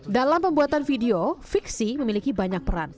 dalam pembuatan video fiksi memiliki banyak peran